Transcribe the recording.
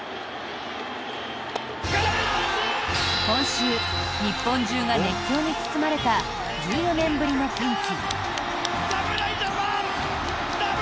今週、日本中が熱狂に包まれた１４年ぶりの歓喜。